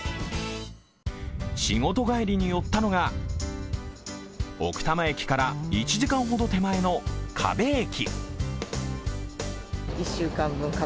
仕事帰りに寄ったのが奥多摩駅から１時間ほど手前の河辺駅。